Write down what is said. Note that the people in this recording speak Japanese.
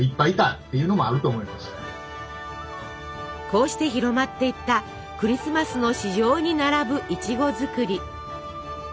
こうして広まっていったクリスマスの市場に並ぶいちご作り。